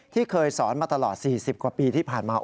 ที่เคยสอนมาตลอด๔๐กว่าปีที่ผ่านมา